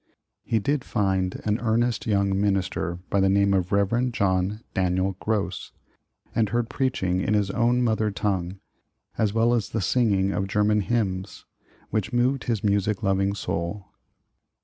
He did find an earnest young minister by the name of the Rev. John Daniel Gross, and heard preaching in 70 New York a Little City his own mother tongue, as well as the singing of Ger man hymns, which moved his music loving soul.